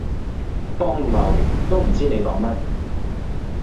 荒謬，都唔知你講乜